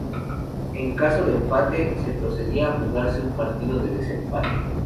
En caso de empate se procedía a jugarse un partido de desempate.